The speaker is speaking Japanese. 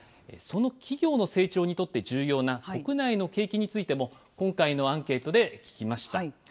その企業の成長にとって重要な国内の景気についても、今回のアンケートで聞きました。